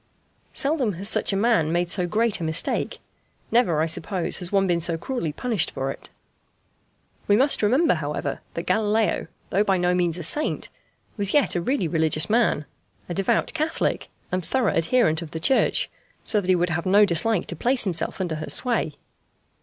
Seldom has such a man made so great a mistake: never, I suppose, has one been so cruelly punished for it. [Illustration: FIG. 51. Map of Italy.] We must remember, however, that Galileo, though by no means a saint, was yet a really religious man, a devout Catholic and thorough adherent of the Church, so that he would have no dislike to place himself under her sway.